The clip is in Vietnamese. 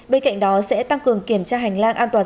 bên cạnh đó sẽ tăng cường kiểm tra hành lang an toàn